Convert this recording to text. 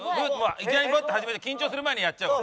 いきなりバッと始めて緊張する前にやっちゃおう。